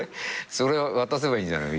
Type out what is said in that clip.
それ渡せばいいんじゃない？